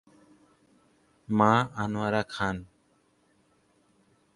মা আনোয়ারা খান।